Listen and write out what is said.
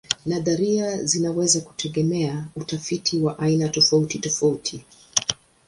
Nadharia zinaweza kutegemea utafiti wa aina tofautitofauti.